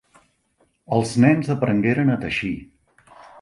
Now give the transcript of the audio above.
Els nens aprengueren a teixir.